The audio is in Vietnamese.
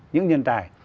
những nhân tài